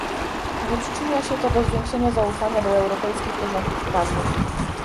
Nie przyczynia się to do zwiększenia zaufania do europejskich porządków prawnych